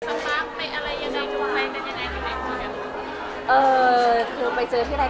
สำมารถไปอะไรยังไงที่วันแรกได้ยังไงอยู่ไหนอยู่ไหน